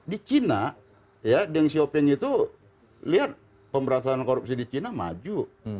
di china yang sioping itu lihat pemberantasan korupsi di china maju